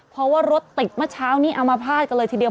เพราะว่ารถติดเมื่อเช้านี้อามภาษณ์กันเลยทีเดียว